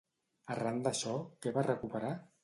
Arran d'això, què va recuperar?